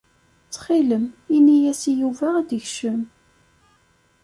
Ttxil-m, ini-yas i Yuba ad d-ikcem.